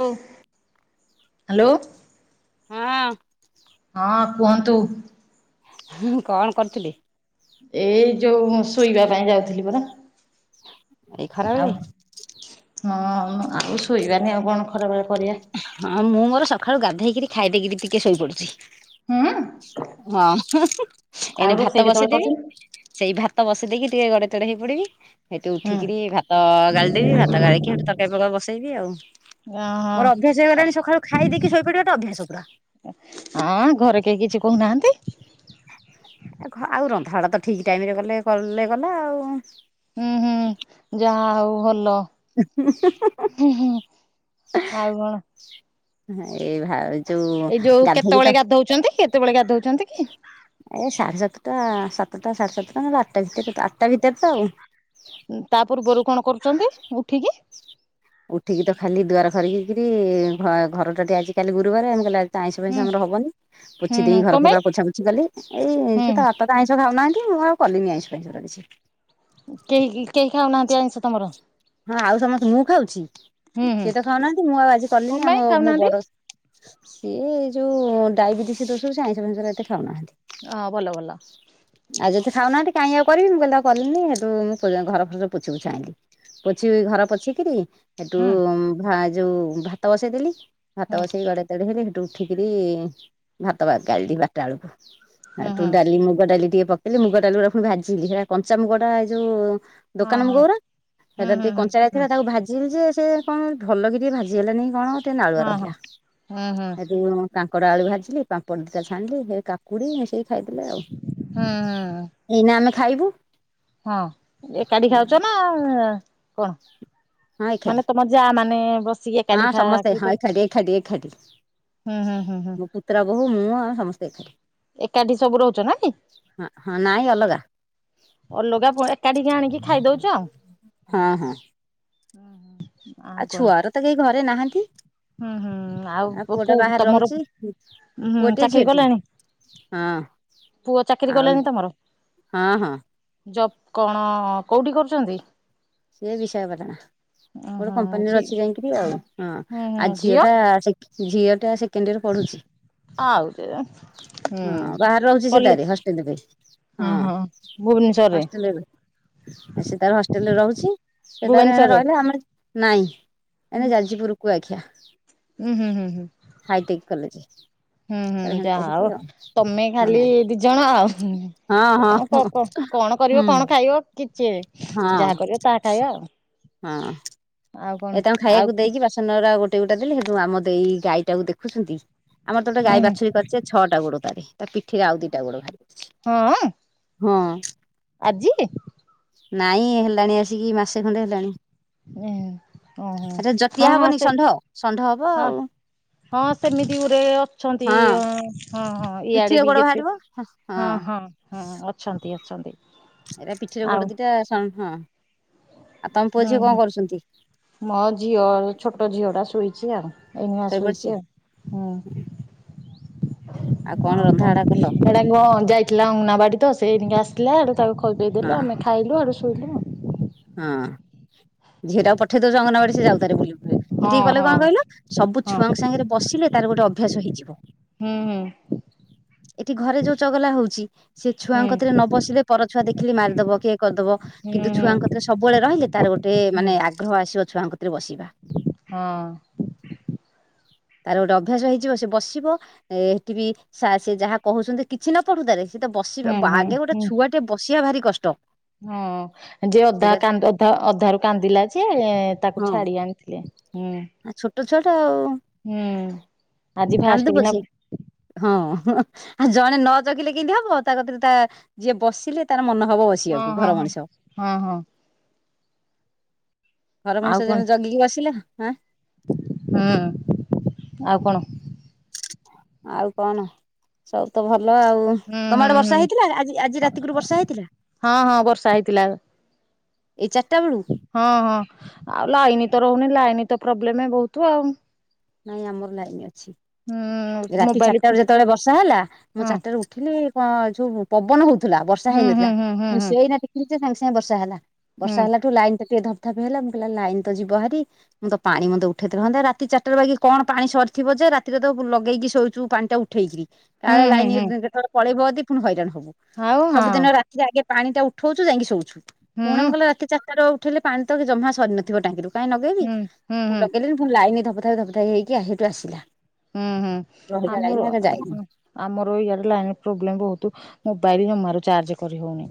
Hello. ହଁ ଅଁ। ହଁ କୁହନ୍ତୁ? ହଁ କଣ କରିଥିଲେ? ଏଇ ଯୋଉ ଶୋଇବା ପାଇଁ ଯାଉଥିଲି ପରା। ଏଇ ଆଉ ଖରାବେଳେ। ହଁ ଆଉ ଶୋଇବାନି ଆଉ କଣ ଖରାବେେଳେ କରିବା? ହଁ ମୁଁ ମୋର ସକାଳୁ ଗାଧୋଇ କିରି ଖାଇଦେଇକିରି ଟିକେ ଶୋଇପଡୁଛି। ହୁଁ ଉଁ। ହଁ, ଆଉ ଏଣେ ରୋଷେଇ ଭାତ କେତେବେଳେ ବସେଇଦେବି। କରୁଛନ୍ତି ସେଇ ଭାତ ବସି ଦେଇକି ଟିକେ ଗଡେ ତୋଡ ହେଇ ପଡିବି, ସେଇଠି ହୁଁ ଉଠିକିରି ଭାତ ଗାଳିଦେବି ଭାତ ଗାଳିକିଠି [unintelligible] ବସେଇବି ଆଉ। [unintelligible] ମୋର ଅଭ୍ୟାସ ହେଇଗଲାଣି ସକାଳୁ ଖାଇ ଦେଇକି ଶୋଇପଡିବା ଟା ଅଭ୍ୟାସ ପୁରା। ହଁ ଘରେ କେହି କିଛି କହୁନାହାନ୍ତି? ଏ ଆଉ ରନ୍ଧାବଢା ତ ଠିକ୍ ଟାଇମରେ ଗଲେ କଲେ ଗଲା ଆଉ। ହୁଁ ହୁଁ ଯାହା ହଉ ଭଲ। ହୁଁ ହୁଁ ଆଉ କଣ? ଏଇ ଭା ଏଇ ଯୋଉ ଗାଧେଇକି ତ କେତେବେଳେ ଗାଧଉଛନ୍ତି, କେତେବେଳେ ଗାଧଉଛନ୍ତି କି? ଏ ସାଢ଼େ ସାତଟା ସାତଟା ସାଢ଼େ ସାତଟା, ନହେଲେ ଆଠଟା ଭିତରେ ଆଠଟା ଭିତରେ ତ ଆଉ। ତା ପୂର୍ବରୁ କଣ କରୁଛନ୍ତି ଉଠିକି? ଉଠିକି ତ ଖାଲି ଦୁଆର ଖରିକିକିରି ଘ ଘରଟା ଟିକେ ଆଜିକାଲି ଗୁରୁବାର ଏମ କଲି ତ ଆଇଁସ ଫାଇଁସ ହୁଁ ଆମର ହବନି, ହୁଁ ପୋଛି ହୁଁ ଦେଇ କଣ ଘର ପାଇଁ ଫର ପୋଛା ପୋଛି କଲି। ଏଇଁଷୁ ତ ହୁଁ ବାପା ତ ଆଇଁଷ ଖାଉ ନାହାନ୍ତି, ମୁଁ ଆଉ କଲିନି ଆଇଁଷ ଫାଇଁଷ ହେରା କିଛି। କେହି କେହି ଖାଉନାହାନ୍ତି ଆଇିଷ ତମର? ହଁ ଆଉ ସମସ୍ତେ ମୁଁ ଖାଉଛି ହୁଁ ହୁଁ ସିଏ ତ ଖାଉନାହାନ୍ତି ମୁଁ ଆଉ ଆଜି କଣ କଲିନି ପାଇଁ ଆମ ମୋ ଖାଉନାହାନ୍ତି ବଡ। ସିଏ ଯୋଉ ଡାଇବେଟିସ ଦୋଷରୁ ସବୁ ଆଇଁଷ ଫାଁଇଁଷ ରା ଏତେ ଖାଉନାହାନ୍ତି। ହଁ ଭଲ ଭଲ। ଆଉ ଯଦି ଖାଉନାହାନ୍ତି କାଇଁ ଆଉ କରିବି, ମୁଁ କହିଲି ମୁଁ ଆ କଲିିନି, ସେଇଠୁ ମୁଁ ଘର ଫର ପୋଛିପୁଛା ଆଇଁଲି। ପୋଛି ଘର ପୋଛିକିରି ସେଠୁ ହୁଁ ଯୋଉ ଭାତ ବସେଇଦେଲି, ଭାତ ହୁଁ ବସେଇକି ଗଡେ [unintelligible] ସେଠୁ ଉଠିକିରି ଭାତ ଗାଳିଲି ବାରଟା ବେଳକୁ। ଆଉ ହୁଁ ତୁ ହୁଁ ଡାଲି ମୁଗ ଡାଲି ଟିକେ ପକେଇଲି, ମୁଗ ଡାଲି ଗୁଡା ପୁଣି ଭାଜିଲି, ସେଇଟା କଞ୍ଚାମୁଗଡା ଏ ଯୋଉ ହଁ ଦୋକାନ ମୁଗ ହଁ ଗୁରା ହୁଁ ସେଟା ହୁଁ ଟିକେ ହୁଁ କଞ୍ଚା ହୁଁ ଥିଲା, ତାକୁ ଭାଜି ଜିଲି ଯେ ସେ କଣ ଭଲକି ଟିକଏ ଭାଜିହେଲାନି କି କଣ, ଟିକେ ନାଳୁଆ ହଁ ହଁ ରହିଲା, ହୁଁ ହୁଁ ହେଟୁ କାଙ୍କଡ଼ ଆଳୁ ଭାଜିଲି, ପାମ୍ପଡ଼ ଦିଟା ଛାଣିଲି, ହେ କାକୁଡ଼ି ମିଶେଇ ଖାଇଦେଲେ ଆଉ। ହୁଁ ହୁଁ। ଏଇନା ଆମେ ଖାଇବୁ। ହଁ ଏକାଠି ଖାଉଛ ନା କଣ? ହଁ ଏକାଠି ମାନେ ତମ ଯା ମାନେ ବସିକି ହଁ ଏକାଠି ସମସ୍ତେ ହଁ [unintelligible] ଏକାଠି ଏକାଠି ଏକାଠି ହୁଁ ହୁଁ ହୁଁ ମୋ ପୁତୁରା ବୋହୁ ମୁଁ ଆଉ ସମସ୍ତେ ଏକାଠି। ଏକାଠି ସବୁ ରହୁଛ ନାଇଁ କି? ହ ହଁ ନାଇଁ ଅଲଗା। ଅଲଗା ଏକାଠିକି ଆଣିକି ଖାଇଦଉଛୁ ଆଉ। ହଁ ହଁ ଆଉ ଛୁଆର ତ କେହି ଘରେ ନାହାନ୍ତି। ହୁଁ ହୁଁ ଆଉ ପୁଅଟା ପୁ ବାହାରେ ତମର ରହୁଛି ହୁଁ ପୁଅଟିଏ ଚାକିରି ଝିଅଟିଏ କଲେଣି? ହଁ ପୁଅ ଚାକିରି ଆଉ ଗଲେଣି ତମର? ହଁ ହଁ ଜବ କଣ କୋଉଠି କରୁଛନ୍ତି? ସେ ବିଷୟପ ଉଁ ଗୋଟେ ହୁଁ ଝି କମ୍ପାନୀରେ ଅଛି ଯାଇକିରି ଆଉ ହଁ ହୁଁ ହୁଁ ଆଉ ଝିଅ ଟା ଝିଅ ଟା ସେକେଣ୍ଡ ଇୟରରେ ପଢୁଛି। ଆଉ ହୁଁ। ହଁ ବାହାରେ ରହୁଛି ସେ କଲେ ତାର ହଷ୍ଟଲ ପାଇଁ। ହଁ ହଁ ଭୁବନେଶ୍ୱରରେ। ଆ ସେ ତାର ହଷ୍ଟେଲରେ ରହୁଛି ସେ ତାର ଏଣ ଭୁବନେଶ୍ଵରରେ ରହିଲେ ଆମର ନାଇଁ। ଏ ହୁଁ ଯାଜୀପୁରକୁୁ ଆଖିଆ ହୁଁ ହୁଁ ହୁଁ। Hi tech college. ହୁଁ ତାର ହୁଁ ହେଣେ ଯାହା ପଢୁଛି ଆଉ ତମେ ଖାଲି ହଁ ଦିଜଣ ଆଉ ହଁ ହଁ କଣ। ହଁ କଣ କରିବ ହୁଁ କଣ ଖାଇବ କିଛି ହଁ ଯାହା କରିବ ତାହା ଖାଇବା ଆଉ। ହଁ ଆଉ କଣ ଏତାଙ୍କୁ ଆଉ ଖାଇବାକୁ ହୁଁ ଦେଇକି ବାସ ଧାନ ଉରା ଗୋଟେ ଗୋଟେ ହେଲେ ହେ ଆମ ଏଇ ଗାଈଟାକୁ ଦେଖୁଛନ୍ତି ଆମର ତ ଗୋ ଗଈ ହୁଁ ବାଛୁରୀ କରିଛେ ଯେ ଛଟା ଗୋଡ଼ ତାରି ପିଠିରେ ଆଉ ଦିଟ ଗୋଡ ଭାରି ହଁ ହଁ। ଆଜି ନାଇଁ ହେଲାଣି ଆସିକି ମାସେ ଖଣ୍ଡେ ହେଲାଣି। ଉ ଓ ହୋ ଏଟା ହଁ ଜଟିଆ ହଁ ହବନି ସେ ଷଣ୍ଢ ଷଣ୍ଢ ହବ ହଁ ଆଉ ହଁ ସେମିତି ଗୋରେ ଅଛନ୍ତି ହଁ ଅ ହଁ ହଁ। ଇଆଡେ ପିଠିରେ ବି ଗୋଡ କେତେ ବାହାରିବ ହଁ ହଁ ହଁ ଅଛନ୍ତି ଅଛନ୍ତି। ଏଇଟା ପିଠିରେ ଆଉ ଗୋଟେ ଦିଟା ହଁ ଆଉ ତମ ହୁଁ ପୁଅଝିଅ ହୁଁ। କଣ କରୁଛନ୍ତି? ମୋ ଝିଅ ଛୋଟ ଝିଅ ଟା ଶୋଇଛି ଆଉ ଏଇନିଆ ଶୋଇପଡିଛି ଶୋଇଛି ଆଉ। ହୁଁ ଆଉ ହ ରନ୍ଧା କଣ ବଢା କଲ ସେଟା କଣ ଯାଇ ଆଥିଲା ଅଙ୍ଗୁନାବାଡି ତ ସେ ଏଇନାକେ ଆସିଲା ଆଡ ତାକୁ ହଁ ଖୋଇପେଇଦେଲୁ ଆମେ ଖାଇଲୁ ଆଡ ଶୋଇଲୁ। ହଁ ଝିଅଟାକୁ ପଠେଇ ଦଉଛ ଅଙ୍ଗନବାଡି ସେ ଯାଉ ତାରେ ବୁଲ ସେଠିକି ଗଲେ କଣ କହିଲ ସବୁ ହଁ ହଁ ଛୁଆଙ୍କ ସାଙ୍ଗରେ ବସିଲେ ତାର ଗୋଟେ ଅଭ୍ୟାସ ହେଇଯିବ। ହୁଁ ହୁଁ। ଏଠି ଘରେ ଯୋଉ ଚଗଲା ହଉଛି ସେ ହୁଁ ହୁଁ ଛୁଆଙ୍କତିରେ ହୁଁ ନ ବଶିଲେ ପରଛୁଆ ଦେଖିଲି ମାରିଦେବ କିଏ କରିଦେବ। ହୁଁ ଉଁ। ସବୁବେଳେ ରହିଲେ ତାର ଗୋଟେ ମାନେ ଆଗ୍ରହ ଆସିବ ଛୁଆଙ୍କତିରେ ବସିବା। ହଁ ତାର ଗୋଟେ ଅଭ୍ୟାସ ହେଇଯିବ ସେ ବସିବ ଏଠି ବି ସେ ଯାହା କହୁଛନ୍ତି କିଛି ନ ପଢୁ ତାରେ ସେଟ ହୁଁ ବସିବା ହୁଁ ଆଗେ ଗୋଟେ ହୁଁ। ଛୁଆ ଟେ ବସିବା ଭାରି କଷ୍ଟ। ହଁ ଯେ ସେ ଅଧା ତାର କାନ୍ଦ ଅଧ ଅଧାରୁ କାନ୍ଦିଲା ଯେ ତାକୁ ଛାଡି ଆଣିଥିଲେ। ହୁଁ। ଆ ଛୋଟ ଛୁଆଟା ଆଉ ହୁଁ ଆଜି ଫାଷ୍ଟ କାନ୍ଦୁ କିନା ପଛେ। ହଁ ଆଉ ଜଣେ ନ ଜଗିଲେ କେମତି ହବ ତା କତୀରେ ତା ଯିଏ ବସିଲେ ତାର ମନ ହବ ଅ ହଁ ହଁ ହଁ ହଁ ହଁ। ଘର ଆଉ ମଣିଷ କଣ ଜଣେ ଜଗିକି ବସିଲା ଆଁ। ହୁଁ ଆଉ କଣ? ଆଉ କଣ? ସବୁ ତ ଭଲ ଆଉ ହୁଁ ତମ ହୁଁ ଆଡେ ହୁଁ। ବର୍ଷା ହେଇଥିଲା ଆଜି ଆଜି ରାତି କୁରୁ ବର୍ଷା ହେଇଥିଲା। ହଁ, ହଁ ବର୍ଷା ହେଇଥିଲା। ଏଇ ଚାରିଟା ବେଳୁ। ହଁ, ହଁ ଆଉ ଲାଇନ ତ ରହୁନି ଲାଇନ ତ ପ୍ରୋବ୍ଲେମ ବହୁତ ଆଉ। ନାଇଁ ଆମର ଲାଇନ ଅଛି। ହୁଁ। ରାତି ମୋବାଇଲ ଚାରିଟା ବେଳେ ଯେତେବେଳେ ବର୍ଷା ହେଲା ମୁଁ ହଁ ଚାରିଟାରେ ଉଠିଲି କଣ ଯଉ ପବନ ହଉଥିଲା ବର୍ଷା ହୁଁ ହୁଁ ହେଇନଥିଲା ହୁଁ ହୁଁ ହୁଁ ସେଇନା ଦେଖିଲି ଯେ ସାଙ୍ଗେ ସାଙ୍ଗେ ବର୍ଷା ହେଲା। ହୁଁ ବର୍ଷା ହେଲାଠୁ ଲାଇନ ଟା ଟିକେ ଧପ ଧପ ହେଲା ମୁଁ କହିଲି ଲାଇନ ତ ଯିବ ହାରି ମୁଁ ତ ପାଣି ମୁନ୍ଦେ ଉଠେଇଥାନ୍ତା ରାତି ଚାରିଟା ବାକି କଣ ପାଣି ସରିଥିବ ଯେ ରାତିରେ ତ ପ ଲଗେଇକି ଶୋଉଛୁ ପାଣି ଟା ଉଠେଇକିରି ହୁଁ କାଳେ ହୁଁ ଲାଇନ ହୁଁ ଯେତେବେଳେ ପଳେଇବଦି ପୁଣି ହଇରାଣ ହବୁ। ଆଉ ହଁ ସବୁଦିନ ରାତିରେ ଆଗେ ପାଣିଟା ଉଠୋଉଚୁ ଯାଇଁକି ଶୋଉଛୁ ହୁଁ ପୁଣି ହୁଁ ଆମୁକୁ କାଲି ରାତି ଚା ଟାରୁ ଉଠେଇଲେ ପାଣି ତ ବି ଜମା ସରିନଥିବ ଟାଙ୍କିରୁ କାଇଁ ନଗେଇବି ହୁଁ କୁ ହୁଁ ଲଗେଇଲେ ବି ମୁଁ ଲାଇନ ଧପଧପ ଧପଧପ ହେଇକି ଆ ହେଠୁ ଆସିଲା। ହୁଁ ହୁଁ ରହିଲା ଲାଇନ ଆମର ଆଗ ଆ ଯାଇନି ହ ଆମର ଇଆଡେ ଲାଇନ ପ୍ରୋବ୍ଲେମ ବୋହୁତ ମୋବାଇଲ ଜମାରୁ ଚାର୍ଜ କରି ହୋଉନି।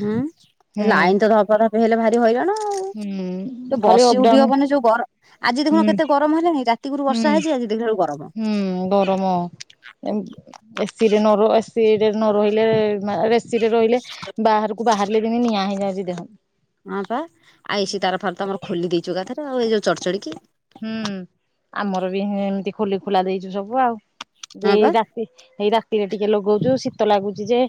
ହୁଁ ସେ ଲାଇନ ତ ଧପ ଧପ ହେଲେ ଭାରି ହଇରାଣ। ଆଉ ହୁଁ ଯୋଉ ଖାଲି ବସି ଅପଡାଉନ ଉଠି ହବନି ଯୋଉ ଗର ଆଜି ଦେଖୁନ ହୁଁ କେତେ ଗରମ ହେଲାଣି ରାତିକୁରୁ ବର୍ଷା ହୁଁ ହେଇଚି ଆଜି ଦେଖିଲା ବେଳକୁ ଗରମ। ହୁଁ ଗରମ। ଏମ୍ ଏ ସିି ରେ ନ ରୁହ ଏ ସି ରେ ନ ରହିଲେ ମା ବେଶ୍ ଏସିରେ ରହିଲେ ବାହାରକୁ ବାହାରିଲେ ବି ନି ନିଆଁ ହେଇଯାଉଚି ଦେହ। ହଁ ପା ଆଉ ଏସି ତାର ଫାର ତ ଆମର ଖୋଲି ଦେଇଚୁ ଏକାଥରେ ଆଉ ଏଇ ଯୋଉ ଚଡ଼ଚଡି କି। ହୁଁ ଆମର ବି ହେମତି ଖୋଲି ଖୋଲା ଦେଇଚୁ ସବୁ ଆଉ ହଁ ପା ଦେଇ ରା ଇ ହେଇ ରାତିରେ ଟିକେ ଲଗୋଉଚୁ ଶୀତ ଲାଗୁଚି ଯେ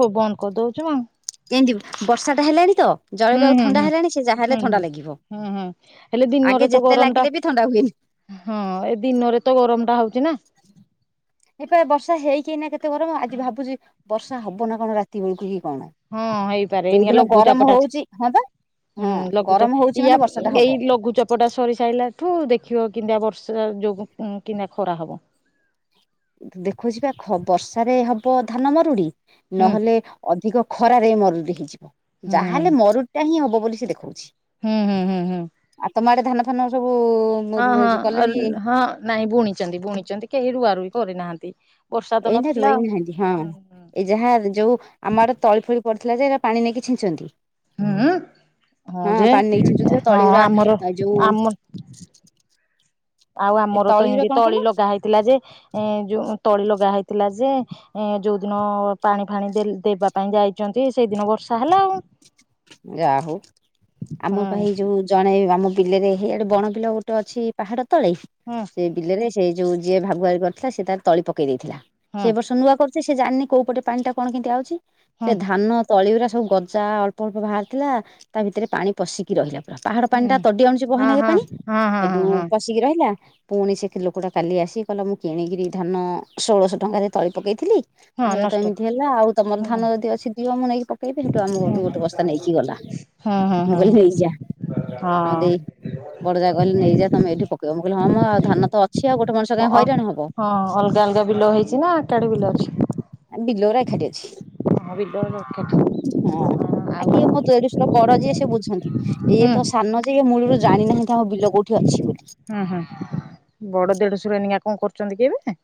ଖୁ ବନ୍ଦ କରଦୋଉଚୁ ଆଉ। କେମତି ବର୍ଷାଟା ହେଲାଣି ତ ହୁଁ ଜଳବାୟୁ ହୁଁ ଥଣ୍ଡା ହୁଁ ହେଲାଣି ସିଏ ଯାହା ହୁଁ ହେଲେ ହୁଁ ଥଣ୍ଡା ଲାଗିବ। ହୁଁ ହୁଁ ହେଲେ ଦିନରେ ଆଗେ ତ ଯେତେ ଗରମ ଟା ଲାଗିଲେ ବି ଥଣ୍ଡା ହୁଏନି। ହଁ ଏ ଦିନରେ ତ ଗରମ ଟା ହୋଉଚି ନା। ଏଇପା ବର୍ଷା ହେଇକି ଏନା କେତେ ଗରମ ଆଜି ଭାବୁଚି ବର୍ଷା ହବ ନା କଣ ରାତି ବେଳୁକୁ କି କଣ। ହଁ ହେଇପାରେ ଏଇନିକା ଯୋଉଦିନ ଲଘୁ ଗରମ ଚାପଟା ଅଛି। ହଉଛି ହଁ ବା ହଁ ହୁଁ ଗରମ ଲଘୁଚାପ ହଉଛି ମାନେ ଇଆ ବର୍ଷା ଟା ଏଇ ହବ। ଲଘୁଚାପ୍ ପଟା ସରିସାଇଲାଠୁ ଦେଖିବ କେମତିଆ ବର୍ଷା ଯୋଗୁଁ ଉଁ କିମତିଆ ଖରା ହବ। ଦେଖୁଚି ପା ଖ-ବର୍ଷାରେ ହବ ଧାନ ମରୁଡି। ହୁଁ ନହେଲେ ଅଧିକ ଖରାରେ ମରୁଡି ହେଇଯିବ ହୁଁ ଯାହାହେଲେ ମରୁଡ଼ିଟା ହିଁ ହବ ବୋଲି ସିଏ ଦେଖୋଉଚି। ହୁଁ ହୁଁ ହୁଁ ହୁଁ ଆଉ ତମ ଆଡେ ଧାନ ଫାନ ଆଉ ସବୁ ହଁ ମରୁ ହୋଉଚି ହଁ କଲେଣି? ହଁ ନାଇଁ ବୁଣିଚନ୍ତି ବୁଣିଚନ୍ତି କେହି ରୁଆ ରୁଇ କରିନାହାନ୍ତି। ବର୍ଷା ତ ଏଇନା ନଥିଲା ରୋଇ ନାହାନ୍ତି ହଁ। ହୁଁ ହୁଁ। ଏଇ ଯାହା ଯୋଉ ଆମ ଆଡେ ତଳି ଫଳି ପଡିଥିଲା ଯେ ଏରା ପାଣି ନେଇକି ଛିଞ୍ଚନ୍ତି। ହୁଁ ହୁଁ ହଁ ପାଣି ନେଇକି ଛିଞ୍ଚୁଥୁବେ ହଁ ତଳିଗୁରା ଆମର ଏ ଯୋଉ [inaudible] ଆମ ଆଉ ଏ ଆମର ତ ତଳିଗୁରା ହିନ୍ଦି କଣ ତଳି କହିଲ ଲଗା ହେଇଥିଲା ଯେ ଏ ଯୋଉ ତଳି ଲଗା ହେଇଥିଲା ଯେ ଏଁ ଯୋଉଦିନ ପାଣି ଫାଣି ଦେଲ୍ ଦେବା ପାଇଁ ଯାଇଚନ୍ତି ସେଇଦିନ ବର୍ଷା ହେଲା ଆଉ। ଯାହୋଉ ଆମ ପା ହେଇ ହୁଁ ଯୋଉ ଜଣେ ଆମ ବିଲରେ ହେଇଆଡେ ବଣ ବିଲ ଗୋଟେ ଅଛି ପାହାଡ ତଳେ ହୁଁ ସେ ବିଲେରେ ସେ ସେଇ ଯୋଉ ଯିଏ ଭାଗୁଆଳି କରିଥିଲା ସିଏ ତାର ତଳି ପକେଇ ଦେଇଥିଲା ସେ ହୁଁ ଏ ବର୍ଷ ନୂଆ କରୁ ଯେ ସିଏ ଜାଣନି କୋଉପଟେ ପାଣିଟା କଣ କେମିତି ଆଉଛି ସେ ହଁ ଧାନ ତଳିଉରା ସବୁ ଗଜା ଅଳ୍ପ ବାହାରି ଥିଲା ତା ଭିତରେ ପାଣି ପଶିକି ରହିଲା ପୁରା ପାହାଡ଼ ହୁଁ ପାଣିଟା ତଡି ଆଣୁଚି ହଁ ବହେନାଗେ ହଁ ପାଣି ହଁ ହଁ ହଁ ହେଠୁ ହଁ ପଶିକି ରହିଲା ପୁଣି ସେକି ଲୋକଟା କାଲି ଆସିିକି କହିଲି ମୁଁ କିଣିକିରି ଧାନ ଷୋଳଶହ ଟଙ୍କାରେ ତଳି ପକେଇଥିଲି। ଆ ହଁ ହେଟା ତ ନଷ୍ଟ ଏମିତି ହେଲା ଆଉ ତମର ହଁ ଧାନ ଯଦି ଅଛିିି ଦିଅ ମୁଁ ନେଇକି ପକେଇବି ହେଠୁ ଆମ ଘଠୁ ଗୋ ଟେ ବସ୍ତା ନେଇକି ଗଲା ହଁ ହଁ ମୁଁ ହଁ କହିଲି ନେଇଯା ହଁ ଆମ ହଁ ଦେଇ ବଡ ଜାଆ କିହିଲେ ନେଇଯାଅ ତମେ ଏଇଠି ପେକେଇବ ମୁଁ କହିଲି ହଁ ମ ଆଉ ଧାନ ତ ଅ ଅ ହଁ ଅଲଗା ଅଲଗା ବିଲ ହେଇଚି ନା ଏକାଠି ବିଲ ଅଛି? ଆ ବିଲରା ଏଖାଟି ଅଛି। ହଁ ବିଲରା ଏକା ଥା ହଁ ଆଉ କିଏ ମୋ ଦେଢଶୁର ବଡ ଯିଏ ସେ ବୁଝନ୍ତି ଇଏ ତ ହୁଁ ସାନ ଯେ ଇଏ ମୂଳରୁ ଜାଣିନାହାଁନ୍ତି ଆମ ବିଲ କୋଉଠି ଅଛି ବୋଲି। ହୁଁ ହୁଁ ବଡ ଦେଢଶୁର ଏଇନିକା କଣ କରୁଚନ୍ତି କି ଏବେ?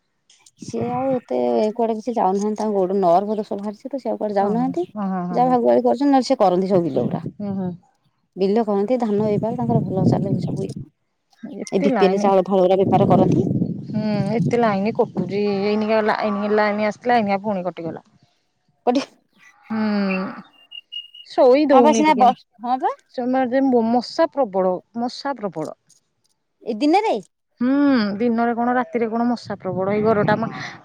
ସିଏ ଆଉ ଏତେ କୁଆଡେ କିଛି ଯାଉନାହାନ୍ତି ତାଙ୍କୁ ଗୋଟେ ନର୍ଭ ଦୋଷ ବାହାରିଚି। ତ ସିଏ ଆଉ କୁଆଡେ ଓହୋ ଯାଉନାହାନ୍ତି ହଁ ହଁ ହଁ ଯାହା ହଁ ଭାଗୁଆଳି କରୁଚନ୍ତି ନହେଲେ ସିଏ କରନ୍ତି ସବୁ ବିଲଗୁରା। ହୁଁ ହୁଁ ବିଲ କରନ୍ତି ଧାନ ବେପାର ତାଙ୍କର ଭଲ ଚାଲେ ସବୁଇଏ। ଏ ଏତେ ଭିପିଲେ ଲାଇନି ଚାଉଳ ଫାଉଳ ଉରା ବେପାର କରନ୍ତି। ହୁଁ ଏତେ ଲାଇନି କଟୁଛି। ଏଇନିକା ଲାଇନି ଲାଇନି ଆସିଥିଲା ଏଇନି କା ପୁଣି କଟିଗଲା। ପଠି ହୁଁ ଶୋଇ ହଁ ବା ଦଉନି ସିନା ବ ଟିକେ। ହଁ ବା ସେମାରେ ମଶା ପ୍ରବଳ ମଶା ପ୍ରବଳ। ଏଇ ଦିନରେ ହୁଁ। ହୁଁ ଦିନରେ କଣ ରାତିରେ କଣ ମଶା ପ୍ରବଳ ଏଇ ଘରଟା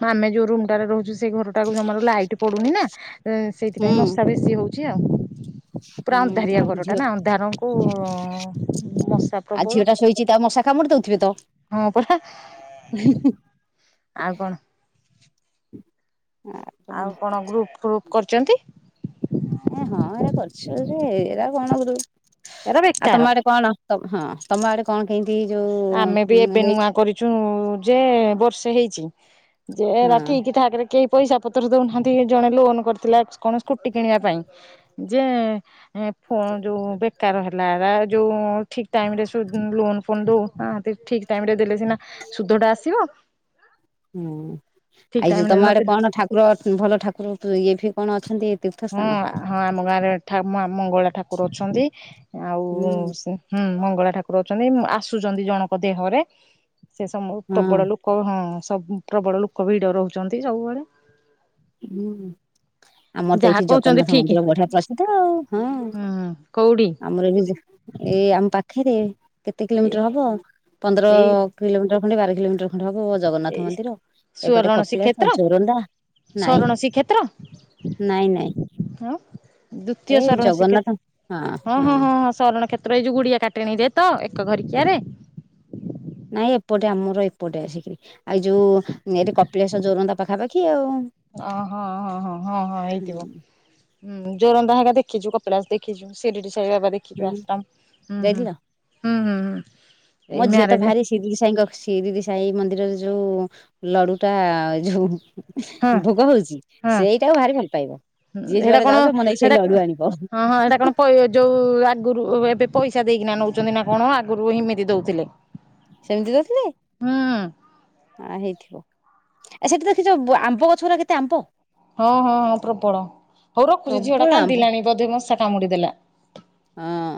ଆମେ ଯୋଉ ରୁମ ଟାରେ ରହୁଛୁ ସେଇ ଘରଟାକୁ ଜମାରୁ ଲାଇଟ୍ ପଡୁନି ନା ହୁଁ ସେଇଥିପାଇଁ ମଶା ବେଶୀ ହଉଛି ଆଉ। ପୁରା ହୁଁ ଅନ୍ଧାରିଆ ଆଉ ଘର ଟା ଝିଅ ନା ଅନ୍ଧାରକୁ ମଶା ପ୍ରବଳ। ସୋଇଛି ତା ମଶା କାମୁଡି ଦେଉଥିବେ ତ? ହଁ ପରା। ହୁଁ ହୁଁ। ଆଉ କଣ। ଆଉ କଣ ଗ୍ରୁପ ଫ୍ରୁପ କରିଛନ୍ତି? ଏ ହଁ ଏଇରା କରୁଛ ଯେ ଏଇରା କଣ ଗ୍ରୁପ୍ ଏରା ଆଉ ତମ ବେକାର ଆଡେ କଣ ତ ହଁ। ତମ ଆଡେ କଣ କେମିତି ଯୋଉ ହେଇଛି ତୁ ଯେ ବର୍ଷେ ହେଇଛି ଯେ ହଁ ଏରା ଠିକ୍‌ ଠାକ ରେ କେହି ପଇସା ପତ୍ର ଦଉନାହାନ୍ତି ଜଣେ ଲୋନ କରିଥିଲା କଣ ସ୍କୁଟି କିଣିବା ପାଇଁ ଯେ ଏ ଫୋନ୍ ଯଉ ବେକାର ହେଲା ହେରା ଯଉ ଠିକ ଟାଇମରେ ସୁ ଲୋନ୍ ଫୋନ୍ ଦଉ ହ ଠିକ ଟାଇମ୍ ରେ ଦେଲେ ସିନା ସୁଧ ଟା ଆସିବ। ହୁଁ। ଠିକ ଆଇ ଟାଇମ ଯୋଉ ରେ ତମ ଆଡେ ନଦେଲେ କଣ ଠାକୁର ଭଲ ଠାକୁର ଇଏ ଫିଏ କଣ ଅଛନ୍ତି ତୀର୍ଥ ହଁ ସ୍ଥାନ? ହଁ ଆମ ଗାଁରେ ଠା ମା ମଙ୍ଗଳା ଠାକୁର ଅଛନ୍ତି। ଆଉ ହୁଁ ମଙ୍ଗଳା ଠାକୁର ଅଛନ୍ତି ଆସୁଛନ୍ତି ଜଣଙ୍କ ଦେହରେ ସେ ସମ ହଁ ପ୍ରବଳ ଲୋକ ହଁ ସବୁ ପ୍ରବଳ ଲୋକ ଭିଡ଼ ରହୁଛନ୍ତି ସବୁବେଳେ। ହୁଁ। ଆମର ତ ଯାହା ଏଇଠି କହୁଛନ୍ତି ଜଗନ୍ନାଥ ଠିକ ମନ୍ଦିର ବଢିଆ ପ୍ରସିଦ୍ଧ ଆଉ। ହଁ ହୁଁ କୋଉଠି ଆମର ଏଠି ଏଇ ଆମ ପାଖରେ କେତେ ଏ କିଲୋମିଟର ହବ ପନ୍ଦର ଏଇ କିଲୋମିଟର ଖଣ୍ଡେ ବାର କିଲୋମିଟର ଖଣ୍ଡେ ହବ ଜଗନ୍ନାଥ ଏଇ ମନ୍ଦିର ଏପଟେ କପିଳାଶ ଜୋରନ୍ଦା ନାଇଁ ସରଣ ଶ୍ରୀକ୍ଷ୍ଷେତ୍ର। ନାଇଁ ନାଇଁ ହଁ ଦ୍ଵିତୀୟ ଶରଣ ଶ୍ରୀକ୍ଷତ୍ର ହଁ ହଁ ହଁ ହଁ। ଶରଣ କ୍ଷେତ୍ର ଏଇ ଯୋଉ ଗୁଡିଆ କାଟିଣି ରେଏକ ଘରିକିଆରେ। ନାଇଁ ଏପଟେ ଆମର ଏପଟେ ଆସିକିରି ଆଉ ଯୋଉ ଏଠି କପିଳାସ ଜୋରନ୍ଦା ପାଖାପାଖି ଆଉ। ଓ ହଁ ହଁ ହଁ ହଁ ହଁ ହୁଁ ହେଇଥିବ। ହୁଁ ଜୋରନ୍ଦା ହେଗା ଦେଖିଛୁ କପଳାସ ଦେଖିଛୁ ସିରିଡି ସାଇବାବା ଦେଖିଛୁ ହୁଁ ଆଶ୍ରମ ହୁଁ ହୁଁ। ଯାଇଥିଲ ହୁଁ ହୁଁ ହୁଁ। ମୋ ଏଇ ଝିଅ ତ ମ୍ୟାରେଜ ଭାରି ଶିରିଡି ସାଇ ଙ୍କ ଶିରିଡି ମନ୍ଦିରରେ ଯୋଉ ଲଡୁ ଟା ଯୋଉ ହଁ ଭୋଗ ହଉଛି ହଁ। ସେଇଟାକୁ ଭାରି ଭଲ ପାଇବ। ହୁଁ ଯିଏ ହେଇଟା ଯୁଆଡେ କଣ ଯାଉଛ ମୋ ନାଗି ସେଇ ହେଇଟା ଲଡୁ ଆଣିବ ହଁ ହଁ ହେଇଟା କଣ ପୟ ଯୋଉ ଆଗରୁ ଏବେ ପଇସା ଦେଇକିନା ନଉଛନ୍ତି ନା କଣ ଆଗରୁ ହିମିତି ଦଉଥିଲେ। ସେମିତି ଦଉଥିଲେ? ହୁଁ ଆ ହେଇଥିବ ସେଠି ଦେଖିଛ ଆମ୍ବ ଗଛ ଗୁଡା କେତେ ଆମ୍ବ? ହଁ ହଁ ହଁ ପ୍ରବଳ ହଉ ରଖୁଛି ଝିଅଟା ପ୍ରବଳ ଆମ୍ବ କାନ୍ଦିଲାଣି ବୋଧେ ମସା କାମୁଡିଦେଲା। ହଁ।